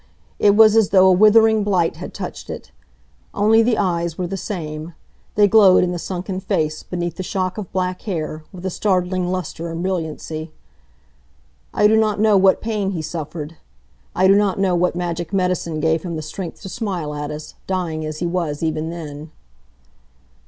It was as though a withering blight had touched it. Only the eyes were the same. They glowed in the sunken face, beneath the shock of black hair, with a startling luster and brilliancy. I do not know what pain he suffered. I do not know what magic medicine gave him the strength to smile at us, dying as he was even then.